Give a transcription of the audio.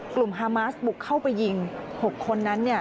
กลุ่มฮามัสบุกเข้าไปยิง๖คนนั้น